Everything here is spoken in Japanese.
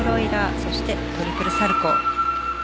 そしてトリプルサルコウ。